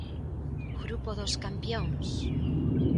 Grupo dos campións.